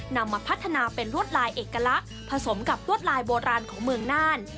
นำมาพัฒนาเป็นลวดลายเอกลักษณ์ผสมกับลวดลายโบราณของเมืองน่าน